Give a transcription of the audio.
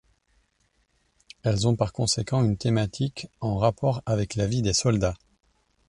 Elles ont par conséquent une thématique en rapport avec la vie des soldats.